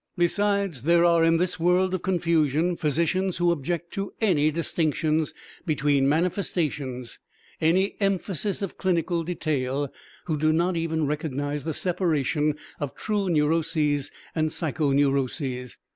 Besides, there are in this world of confusion physicians who object to any distinctions between manifestations, any emphasis of clinical detail, who do not even recognize the separation of true neuroses and psychoneuroses.